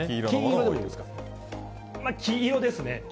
黄色ですね。